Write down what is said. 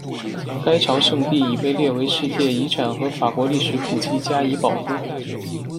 该朝圣地已被列为世界遗产和法国历史古迹加以保护。